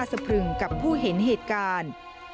เป็นที่น่าสะพรึงกับผู้เห็นเหตุการณ์